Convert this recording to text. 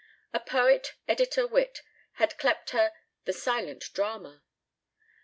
A poet editor wit had cleped her "The Silent Drama."